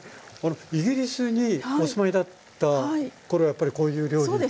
イギリスにお住まいだった頃はやっぱりこういう料理って。